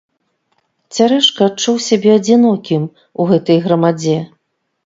Цярэшка адчуў сябе адзінокім у гэтай грамадзе.